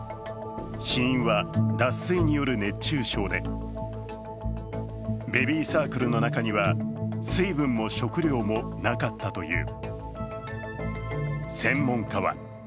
死因は脱水による熱中症で、ベビーサークルの中には水分も食料もなかったという。